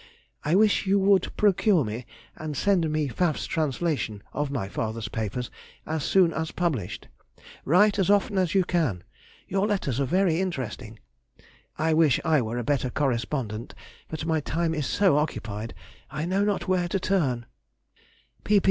I wish you would procure and send me Pfaff's translation of my father's papers as soon as published. Write as often as you can. Your letters are very interesting. I wish I were a better correspondent, but my time is so occupied, I know not where to turn.